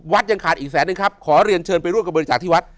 ยังขาดอีกแสนนึงครับขอเรียนเชิญไปร่วมกับบริจาคที่วัด